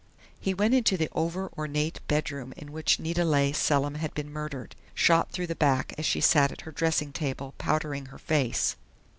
He went into the over ornate bedroom in which Nita Leigh Selim had been murdered shot through the back as she sat at her dressing table powdering her face.